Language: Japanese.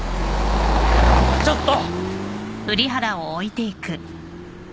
ちょっと！